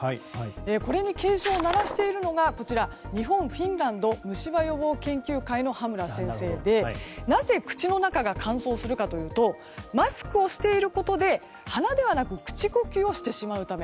これに警鐘を鳴らしているのが日本フィンランドむし歯予防研究会の羽村先生でなぜ口の中が乾燥するかというとマスクをしていることで鼻でなくて口呼吸をしてしまうため。